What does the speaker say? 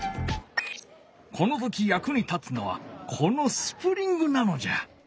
この時やくに立つのはこのスプリングなのじゃ！